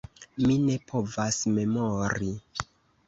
Mi ne povas memori.